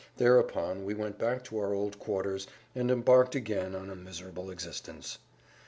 Thereupon we went back to our old quarters and embarked again on a miserable existence.